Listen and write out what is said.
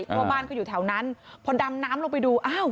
เพราะบ้านก็อยู่แถวนั้นพอดำน้ำลงไปดูอ้าว